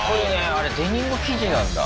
あれデニム生地なんだ。